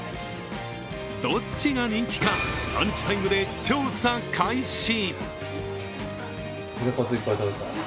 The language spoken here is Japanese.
どっちが人気か、ランチタイムで調査開始。